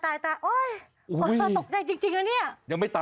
โอ้ยตกใจจริงแหละ